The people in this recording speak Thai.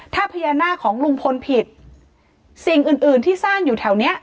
ถ้าพญานาคของลุงพลผิดสิ่งอื่นอื่นที่สร้างอยู่แถวเนี้ย